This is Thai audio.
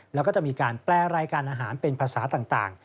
แล้วก็จะมีการแปลรายการอาหารเป็นภาษาต่าง